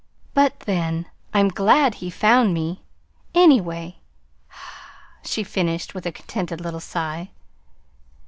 But then, I'm glad he found me, anyway," she finished with a contented little sigh.